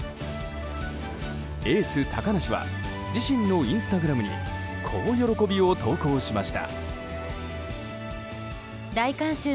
エース、高梨は自身のインスタグラムにこう喜びを投稿しました。